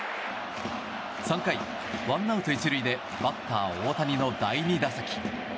３回、ワンアウト１塁でバッター大谷の第２打席。